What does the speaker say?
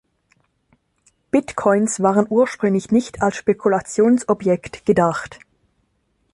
Bitcoins waren ursprünglich nicht als Spekulationsobjekt gedacht.